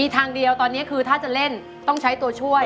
ทางเดียวตอนนี้คือถ้าจะเล่นต้องใช้ตัวช่วย